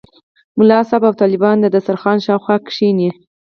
ملا صاحب او طالبان د دسترخوان شاوخوا کېني.